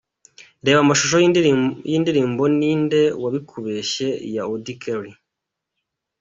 Reba amashusho y'indirimbo Ninde wabikubeshye ya Auddy Kelly.